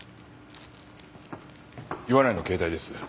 岩内の携帯です。